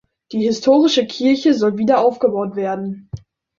Die historische Kirche soll wieder aufgebaut werden.